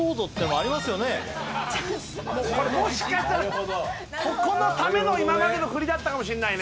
なるほどもしかしたらここのための今までのフリだったかもしんないね